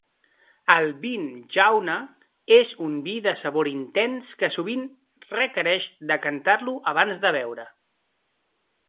El vin jaune és un vi de sabor intens que sovint requereix decantar-lo abans de beure.